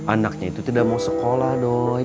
anaknya itu tidak mau sekolah dong